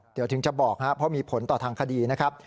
เดี๋ยวถึงจะบอกครับเพราะมีผลต่อทางคดีนะครับ